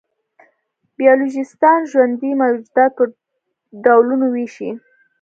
بایولوژېسټان ژوندي موجودات په ډولونو وېشي.